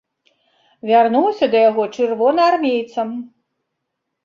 Вярнуўся да яго чырвонаармейцам.